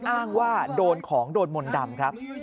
อ้างว่าโดนของโดนมนต์ดำครับ